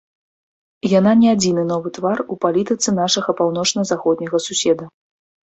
Яна не адзіны новы твар у палітыцы нашага паўночна-заходняга суседа.